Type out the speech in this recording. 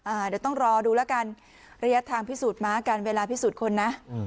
อ่าเดี๋ยวต้องรอดูแล้วกันระยะทางพิสูจน์ม้ากันเวลาพิสูจน์คนนะอืม